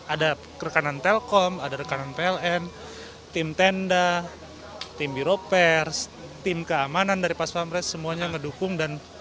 ada rekanan telkom ada rekanan pln tim tenda tim biro pers tim keamanan dari pas pampres semuanya mendukung dan